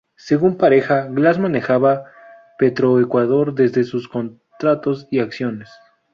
Según Pareja, Glas manejaba Petroecuador desde sus contratos y acciones.